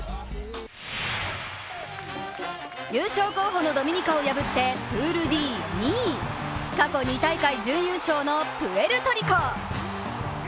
優勝候補のドミニカを破ってプールＤ２位、過去２大会準優勝のプエルトリコ。